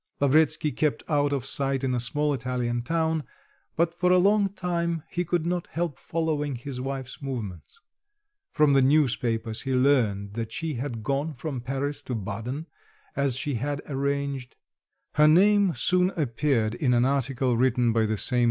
Lavretsky kept out of sight in a small Italian town, but for a long time he could not help following his wife's movements. From the newspapers he learned that she had gone from Paris to Baden as she had arranged; her name soon appeared in an article written by the same M.